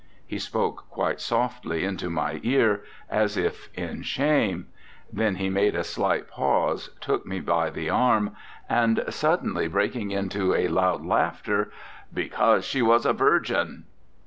He spoke quite softly into my ear, as if in shame. Then he made a slight pause, took me by the arm, and, suddenly 38 ANDRE GIDE breaking into a loud laughter: " Because she was a virgin!"